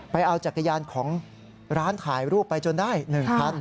เอาจักรยานของร้านถ่ายรูปไปจนได้๑คัน